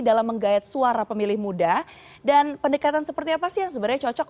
dalam menggayat suara pemilih muda dan pendekatan seperti apa sih yang sebenarnya cocok